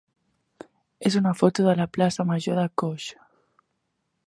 és una foto de la plaça major de Coix.